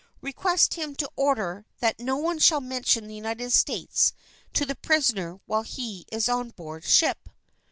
Request him to order that no one shall mention the United States to the prisoner while he is on board ship."